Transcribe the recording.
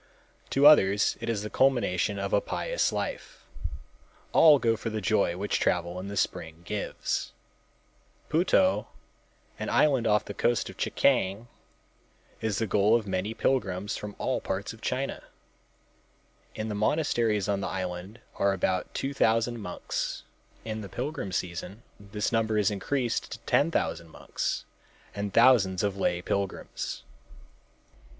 To others it is the culmination of a pious life. All go for the joy which travel in the spring gives. Puto, an island off the coast of Chekiang, is the goal of many pilgrims from all parts of China. In, the monasteries on the island are about two thousand monks. In the pilgrim season this number is increased to ten thousand monks and thousands of lay pilgrims.